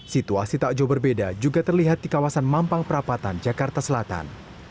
situasi tak jauh berbeda juga terlihat di kawasan mampang perapatan jakarta selatan